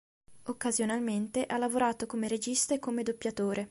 Occasionalmente, ha lavorato come regista e come doppiatore.